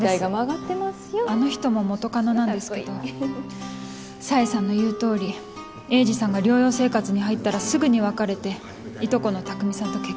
あの人も元カノなんですけど紗英さんの言うとおり栄治さんが療養生活に入ったらすぐに別れていとこの拓未さんと結婚しちゃって。